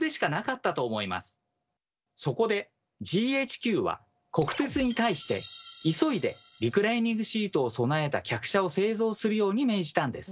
そこでＧＨＱは国鉄に対して急いでリクライニングシートを備えた客車を製造するように命じたんです。